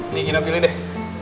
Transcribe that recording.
nih ina pilih deh